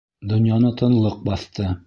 Донъяны тынлыҡ баҫты.